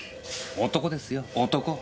男ですよ男。